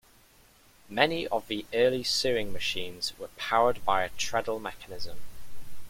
Many of the early sewing machines were powered by a treadle mechanism.